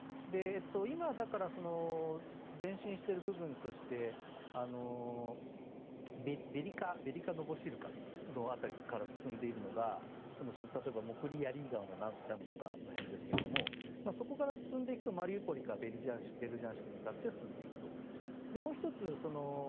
今、前進している部分としてベリカ・ノボシルカの辺りから進んでいるのが例えばモクリ・ヤリー川のダムの辺とかそこから進んでいくとマリウポリからベルジャンシクに向かって進んでいくと。